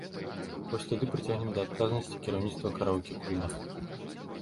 Вось тады прыцягнем да адказнасці кіраўніцтва караоке-клуба.